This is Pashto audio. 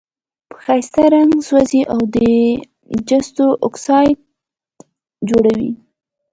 په ښایسته رنګ سوزي او د جستو اکسایډ جوړوي.